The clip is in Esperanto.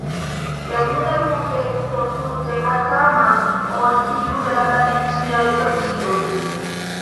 La nuna kunteksto tute malsamas ol tiu de la tradiciaj socioj.